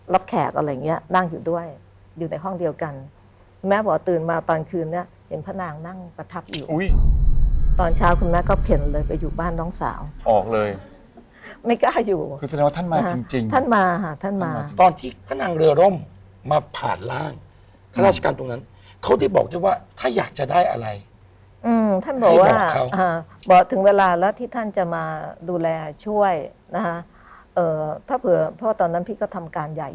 รับแขกอะไรอย่างเงี้ยนั่งอยู่ด้วยอยู่ในห้องเดียวกันคุณแม่บอกตื่นมาตอนคืนนี้เห็นพนังนั่งประทับอยู่อุ้ยตอนเช้าคุณแม่ก็เข็นเลยไปอยู่บ้านน้องสาวออกเลยไม่กล้าอยู่คือแสดงว่าท่านมาจริงจริงท่านมาฮะท่านมาตอนที่พนังเรือร่มมาผ่านล่างท่านราชการตรงนั้นเขาได้บอกได้ว่าถ้าอยากจะได้อะไรอืมท่านบอกว่าให้บอกเขา